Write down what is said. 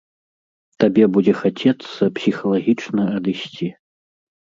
Табе будзе хацецца псіхалагічна адысці.